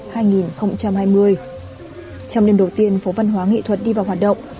trong đêm đầu tiên phố văn hóa nghệ thuật đi vào hoạt động